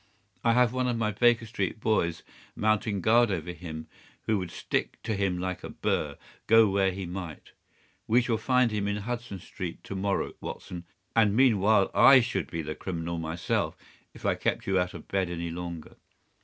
I have one of my Baker Street boys mounting guard over him who would stick to him like a burr, go where he might. We shall find him in Hudson Street to morrow, Watson, and meanwhile I should be the criminal myself if I kept you out of bed any longer."